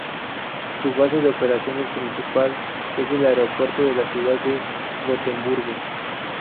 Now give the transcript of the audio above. Su base de operaciones principal es el Aeropuerto de la Ciudad de Gotemburgo.